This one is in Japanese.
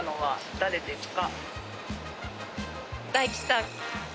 誰ですか？